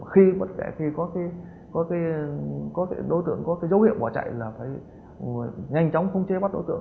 khi có cái đối tượng có cái dấu hiệu bỏ chạy là phải nhanh chóng phung chế bắt đối tượng